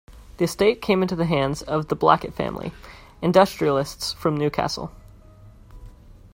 The estate came into the hands of the Blackett family, industrialists from Newcastle.